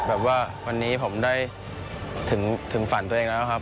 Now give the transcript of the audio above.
แบบว่าวันนี้ผมได้ถึงฝันตัวเองแล้วครับ